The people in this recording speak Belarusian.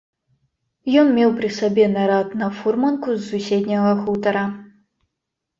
Ён меў пры сабе нарад на фурманку з суседняга хутара.